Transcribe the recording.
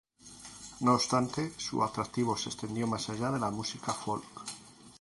No obstante, su atractivo se extendió más allá de la música folk.